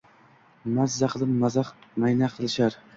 Maza qilib mazah, mayna qilishar.